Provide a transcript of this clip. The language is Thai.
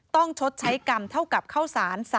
ชดใช้กรรมเท่ากับข้าวสาร